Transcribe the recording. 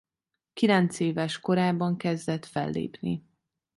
Kilencéves korában kezdett fellépni.